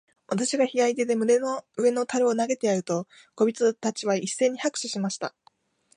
私が左手で胸の上の樽を投げてやると、小人たちは一せいに拍手しました。